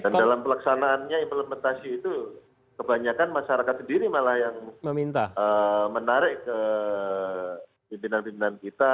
dan dalam pelaksanaannya implementasi itu kebanyakan masyarakat sendiri malah yang menarik pimpinan pimpinan kita